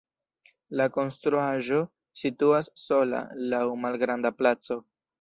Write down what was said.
La konstruaĵo situas sola laŭ malgranda placo.